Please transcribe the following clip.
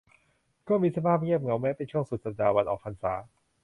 ก็มีสภาพเงียบเหงาแม้เป็นช่วงสุดสัปดาห์วันออกพรรษา